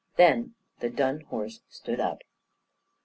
Then the dun horse stood up.